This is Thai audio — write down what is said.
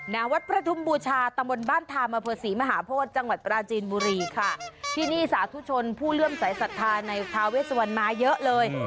ณวัดประทุมบูชาตำบลบ้านทามอเภอศรีมหาโพธิจังหวัดปราจีนบุรีค่ะที่นี่สาธุชนผู้เลื่อมสายศรัทธาในทาเวสวันมาเยอะเลย